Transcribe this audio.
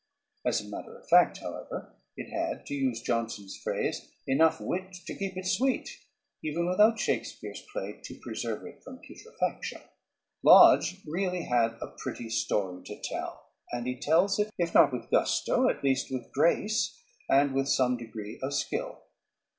As a matter of fact, however, it had, to use Johnson's phrase, "enough wit to keep it sweet," even without Shakespeare's play "to preserve it from putrefaction." Lodge really had a pretty story to tell, and he tells it, if not with gusto, at least with grace and with some degree of skill.